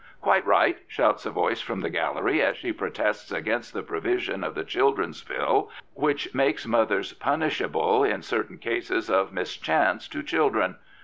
Quite right I " shouts a voice from the gallery as she protests against the provision of the Children's Bill which makes inothers punishable in certain cases of mischance to children.